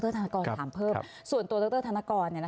ตรธนกรถามเพิ่มส่วนตรธนกร